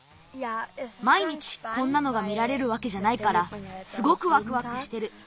まいにちこんなのが見られるわけじゃないからすごくわくわくしてる。